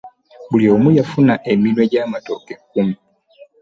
Buli omu yafuna eminwe gy'amatooke kkumi.